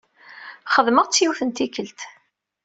Xedmeɣ-tt yiwet n tikkelt.